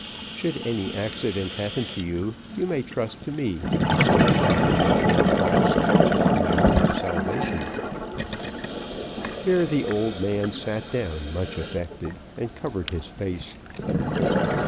"Should any accident happen to you, you may trust to me, I swear it to you, Mynheer Krause, on my hope of salvation." Here the old man sat down much affected, and covered his face.